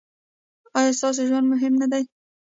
ایا ستاسو ژوند منظم نه دی؟